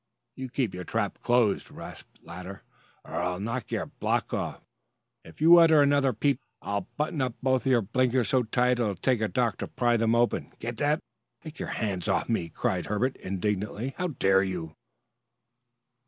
"You keep your trap closed," rasped Lander, "or I'll knock your block off! If you utter another peep during this game, I'll button up both your blinkers so tight it'll take a doctor to pry 'em open. Get that?" "Take your hands off me!" cried Herbert indignantly. "How dare you!"